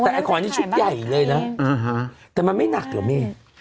แต่ไอขอนนี้ชุดใหญ่เลยนะแต่มันไม่หนักเหรอแม่